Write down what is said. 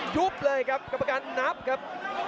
ยุบเลยครับกรรมการนับครับ